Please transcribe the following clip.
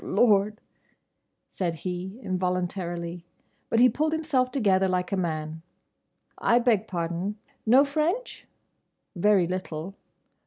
"Oh Lord!" said he involuntarily. But he pulled himself together like a man. "I beg pardon!—Know French? Very little.